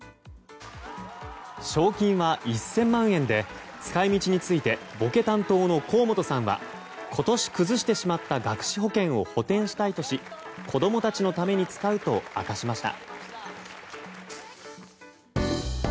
賞金は１０００万円で使い道についてボケ担当の河本さんは今年、崩してしまった学資保険を補填したいとし子供たちのために使うと明かしました。